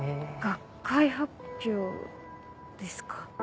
学会発表ですか。